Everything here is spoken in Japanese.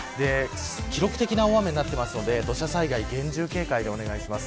記録的な大雨になっていますので土砂災害厳重警戒でお願いします。